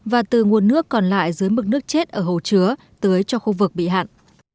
và từ nguồn nước còn lại dưới mức nước chết ở hồ chứa tới cho khu vực bị hạn